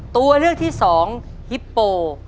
ตัวเลือกที่สองฮิปโป